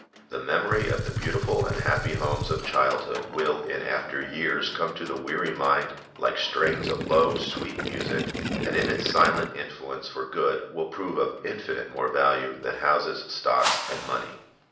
The memory of the beautiful and happy homes of childhood will in after years come to the weary mind like strains of low, sweet music, and in its silent influence for good will prove of infinite more value than houses, stocks, and money.